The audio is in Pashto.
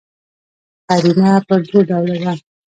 قرینه پر دوه ډوله ده.